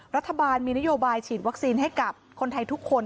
รัฐบาลมีนโยบายฉีดวัคซีนให้กับคนไทยทุกคน